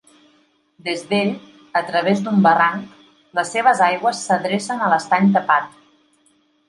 Des d'ell, a través d'un barranc, les seves aigües s'adrecen a l'Estany Tapat.